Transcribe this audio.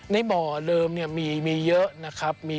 ในบ่อเดิมมีเยอะนะครับ